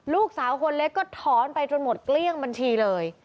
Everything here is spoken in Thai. ลูกสาวคนเล็กก็ถอนไปจนหมดเกลี้ยงบัญชีเลย